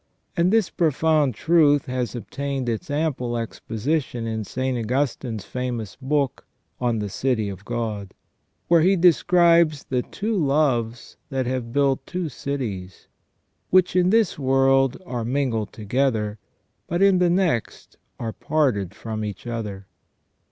And this profound truth has obtained its ample exposition in St. Augustine's famous book On the City of God, where he describes the two loves that have built two cities, which, in this world, are mingled together, but in the next are parted from each other.